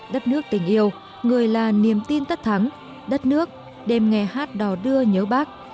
đất nước tình yêu người là niềm tin tất thắng đất nước đêm nghe hát đò đưa nhớ bác